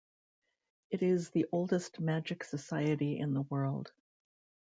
It is the oldest magic society in the world.